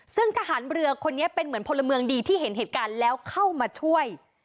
ซึ่งทหารเรือคนนี้เป็นเหมือนพลเมืองดีที่เห็นเหตุการณ์แล้วเข้ามาช่วย